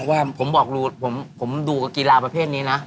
เพราะว่าผมบอกลูกผมดูกับกีฬาประเภทนี้นะ